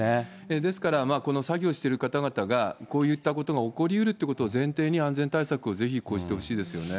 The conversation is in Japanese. ですから、この作業している方々がこういったことが起こりうるっていうことを前提に、安全対策をぜひ講じてほしいですよね。